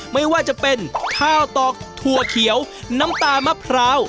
ไม่ว่าจะเป็นข้าวตอกถั่วเขียวน้ำตาลมะพร้าว